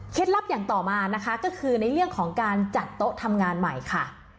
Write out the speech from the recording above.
ลับอย่างต่อมานะคะก็คือในเรื่องของการจัดโต๊ะทำงานใหม่ค่ะ